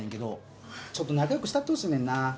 ちょっと仲良くしたってほしいねんな。